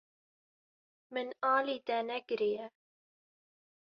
Min alî te nekiriye.